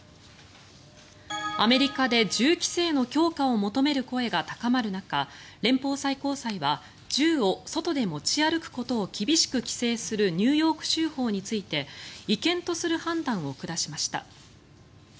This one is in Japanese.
アメリカで銃規制の強化を求める声が高まる中連邦最高裁は銃を外で持ち歩くことを厳しく規制するニューヨーク州法について違憲とする判断を下しました。